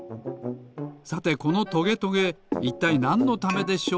さてこのトゲトゲいったいなんのためでしょうか？